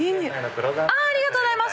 ありがとうございます。